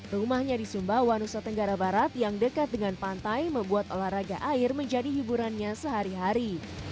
rumahnya di sumba wanusa tenggara barat yang dekat dengan pantai membuat olahraga air menjadi hiburannya sehari hari